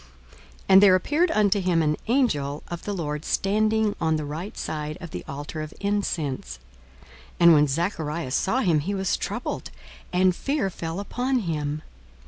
42:001:011 And there appeared unto him an angel of the Lord standing on the right side of the altar of incense. 42:001:012 And when Zacharias saw him, he was troubled, and fear fell upon him.